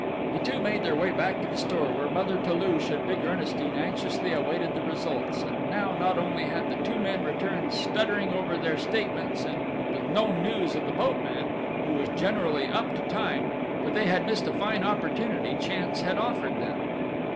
The two made their way back to the store, where Mother Toulouche and big Ernestine anxiously awaited results; and now not only had the two men returned stuttering over their statements and with no news of the boatman, who was generally up to time, but they had missed a fine opportunity chance had offered them!